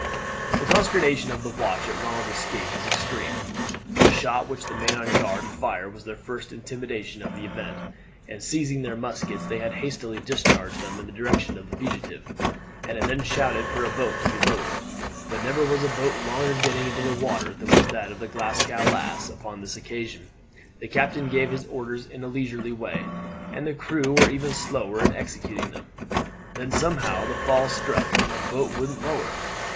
The consternation of the watch at Ronald's escape was extreme. The shot which the man on guard had fired was their first intimation of the event, and seizing their muskets they had hastily discharged them in the direction of the fugitive, and had then shouted for a boat to be lowered. But never was a boat longer getting into the water than was that of the Glasgow Lass upon this occasion. The captain gave his orders in a leisurely way, and the crew were even slower in executing them. Then somehow the fall stuck and the boat wouldn't lower.